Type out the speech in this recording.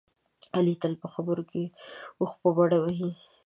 علي تل په خبرو کې اوښ په بډه منډي.